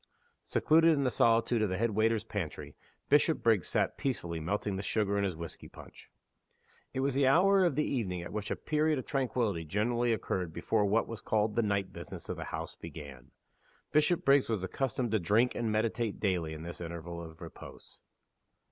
Secluded in the solitude of the head waiter's pantry, Bishopriggs sat peacefully melting the sugar in his whisky punch. It was the hour of the evening at which a period of tranquillity generally occurred before what was called "the night business" of the house began. Bishopriggs was accustomed to drink and meditate daily in this interval of repose.